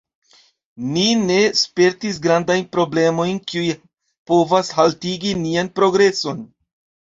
Ni ne spertis grandajn problemojn, kiuj povas haltigi nian progreson